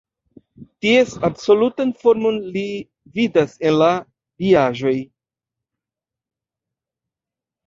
Ties absolutan formon li vidas en la diaĵoj.